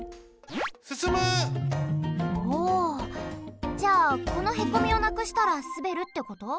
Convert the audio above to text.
おじゃあこのへこみをなくしたらすべるってこと？